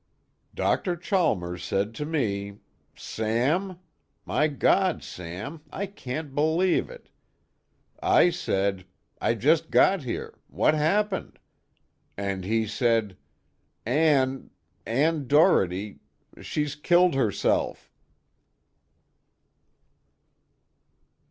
"Dr. Chalmers said to me: 'Sam? My God, Sam, I can't believe it.' I said: 'I just got here. What's happened?' And he said: 'Ann Ann Doherty she's killed herself.'"